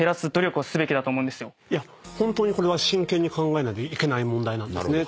ホントにこれは真剣に考えなきゃいけない問題なんです。